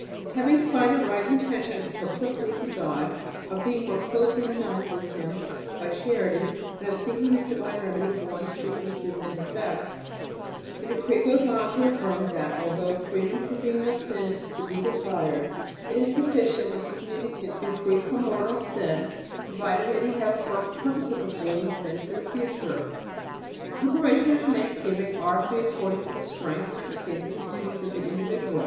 Having defined a right intention as a purpose of pleasing God, of being more closely united with Him by charity, and of seeking this divine remedy for one's weaknesses and defects, the decree goes on to affirm that, although freedom from venial sin is to be desired, it is sufficient that the communicant be free from mortal sin, provided he has a firm purpose of avoiding sin for the future. Preparation and thanksgiving are to be according to the strength, circumstances and duties of the individual.